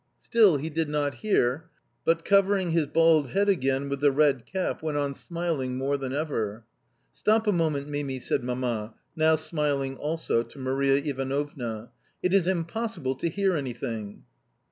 Still he did not hear, but, covering his bald head again with the red cap, went on smiling more than ever. "Stop a moment, Mimi," said Mamma (now smiling also) to Maria Ivanovna. "It is impossible to hear anything."